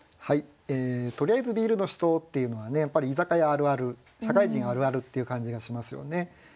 「とりあえずビールの人」っていうのはねやっぱり居酒屋あるある社会人あるあるっていう感じがしますよね。